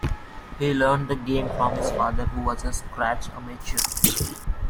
He learned the game from his father, who was a scratch amateur.